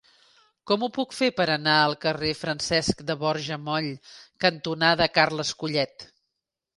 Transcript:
Com ho puc fer per anar al carrer Francesc de Borja Moll cantonada Carles Collet?